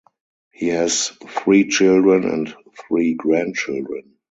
He has three children and three grandchildren.